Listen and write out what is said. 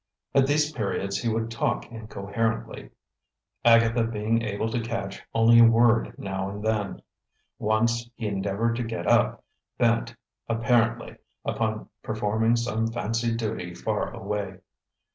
At these periods he would talk incoherently, Agatha being able to catch only a word now and then. Once he endeavored to get up, bent, apparently, upon performing some fancied duty far away.